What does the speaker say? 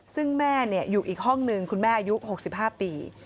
ซึ่งแม่อยู่อีกห้องหนึ่งคุณแม่อายุ๖๕ปี